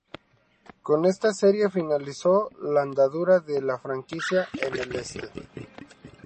Con esta serie finalizó la andadura de la franquicia en el Este.